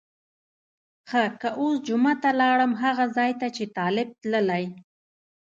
ښه که اوس جمعه ته لاړم هغه ځای ته چې طالب تللی.